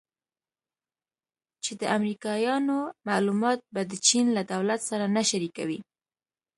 چې د امریکایانو معلومات به د چین له دولت سره نه شریکوي